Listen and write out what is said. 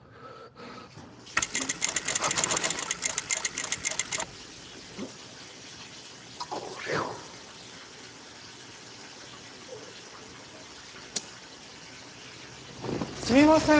「あの子にこれを」「」すみません。